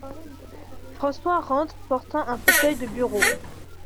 François rentre portant un fauteuil de bureau.